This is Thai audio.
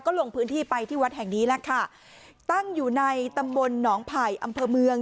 ลงพื้นที่ไปที่วัดแห่งนี้แหละค่ะตั้งอยู่ในตำบลหนองไผ่อำเภอเมือง